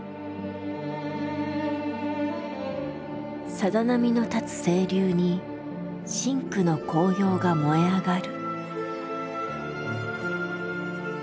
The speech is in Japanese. さざ波の立つ清流に深紅の紅葉が燃え上がる。